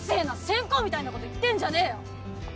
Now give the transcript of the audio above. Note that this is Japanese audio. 先公みたいなこと言ってんじゃねえよ。